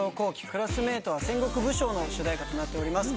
クラスメイトは戦国武将ー』の主題歌となっております。